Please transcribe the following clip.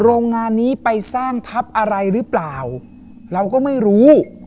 โรงงานนี้ไปสร้างทัพอะไรหรือเปล่าเราก็ไม่รู้